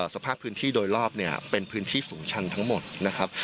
สภาพพื้นที่โดยรอบเนี่ยเป็นพื้นที่สูงชันทั้งหมดนะครับ